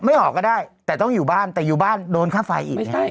ไม่ออกก็ได้แต่ต้องอยู่บ้านแต่อยู่บ้านโดนค่าไฟอีกไง